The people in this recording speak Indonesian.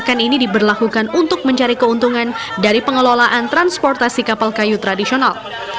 kebijakan ini diberlakukan untuk mencari keuntungan dari pengelolaan transportasi kapal kayu tradisional